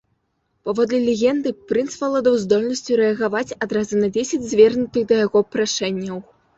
Паводле легенды прынц валодаў здольнасцю рэагаваць адразу на дзесяць звернутых да яго прашэнняў.